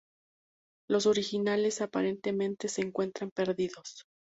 Los originales aparentemente se encuentran perdidos.